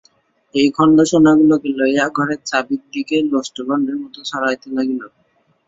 সেই খণ্ড সোনাগুলোকে লইয়া ঘরের চারি দিকে লোষ্ট্রখণ্ডের মতো ছড়াইতে লাগিল।